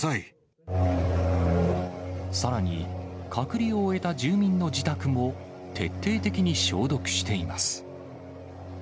さらに、隔離を終えた住民の自宅も、徹底的に消毒しています。